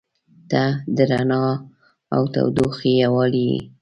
• ته د رڼا او تودوخې یووالی یې.